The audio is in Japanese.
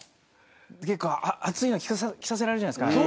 で結構暑いの着させられるじゃないですか。